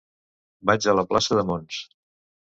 Vaig a la plaça de Mons.